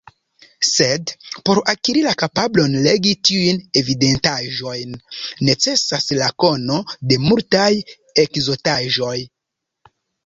Sed por akiri la kapablon legi tiujn evidentaĵojn necesas la kono de multaj ekzotaĵoj.